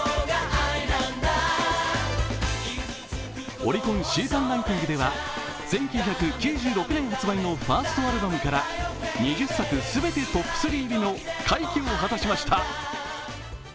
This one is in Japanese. オリコン週間シングルランキングでは１９９６年発売のファーストアルバムから２０作全てトップ３入りの快挙を果たしました。